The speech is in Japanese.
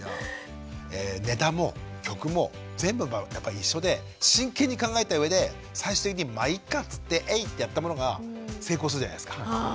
ネタも曲も全部やっぱり一緒で真剣に考えた上で最終的にまいっかっつってエイッてやったものが成功するじゃないですか。